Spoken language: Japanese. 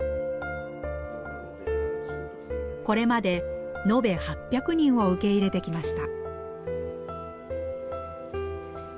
これまでのべ８００人を受け入れてきました。